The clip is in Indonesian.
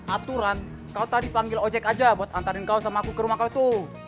aturan kau tadi panggil ojek aja buat antarin kau sama aku ke rumah kau tuh